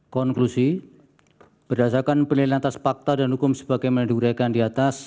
konklusi berdasarkan penelitian atas fakta dan hukum sebagai menegurakan di atas